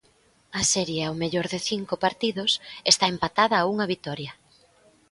A serie ao mellor de cinco partidos está empatada a unha vitoria.